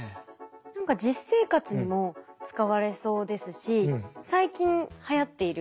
何か実生活にも使われそうですし最近はやっている脱出